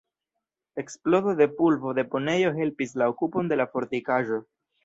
Eksplodo de pulvo-deponejo helpis la okupon de la fortikaĵo.